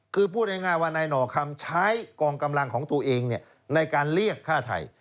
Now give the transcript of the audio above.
คือพูดง่ายว่านายหน่อคำใช้กองกำลังของตัวเองในการเรียกฆ่าไทย